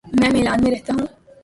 میں میلان میں رہتا ہوں